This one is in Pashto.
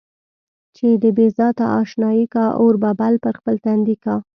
چې د بې ذاته اشنايي کا، اور به بل پر خپل تندي کا.